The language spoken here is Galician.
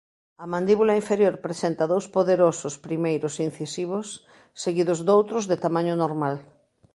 A mandíbula inferior presenta dous poderosos primeiros incisivos seguidos doutros de tamaño normal.